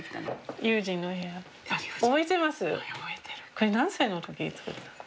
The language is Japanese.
これ何歳の時に作った？